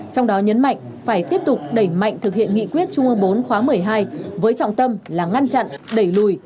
trong đó nhấn mạnh phải tiếp tục đẩy mạnh thực hiện nghị quyết trung ương bốn khóa một mươi hai với trọng tâm là ngăn chặn đẩy lùi